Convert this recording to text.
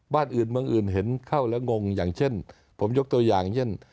บ้านอื่นเมืองอื่นเห็นเข้าแล้วงงอย่างเช่นผมยกตัวอย่างเช่น